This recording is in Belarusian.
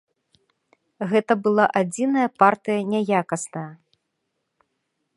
Гэта была адзіная партыя няякасная.